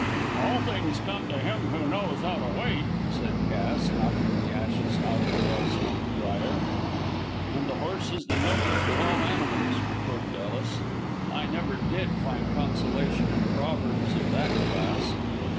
"All things come to him who knows how to wait," said Cass, knocking the ashes out of a well smoked briar. "And the horse is the noblest of all animals," retorted Ellis. "I never did find consolation in proverbs of that class."